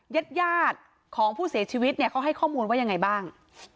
ญาติยาดของผู้เสียชีวิตเนี่ยเขาให้ข้อมูลว่ายังไงบ้าง